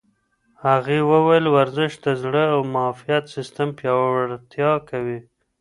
هغې وویل ورزش د زړه او معافیت سیستم پیاوړتیا کوي.